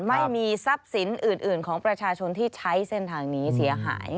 ไม่มีทรัพย์สินอื่นของประชาชนที่ใช้เส้นทางนี้เสียหาย